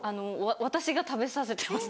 私が食べさせてます。